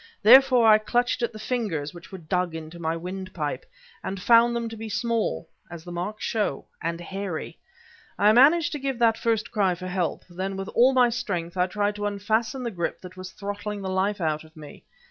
Therefore I clutched at the fingers which were dug into my windpipe, and found them to be small as the marks show and hairy. I managed to give that first cry for help, then with all my strength I tried to unfasten the grip that was throttling the life out of me.